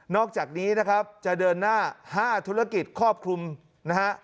อกจากนี้นะครับจะเดินหน้า๕ธุรกิจครอบคลุมนะฮะ